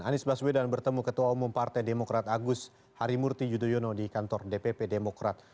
anies baswedan bertemu ketua umum partai demokrat agus harimurti yudhoyono di kantor dpp demokrat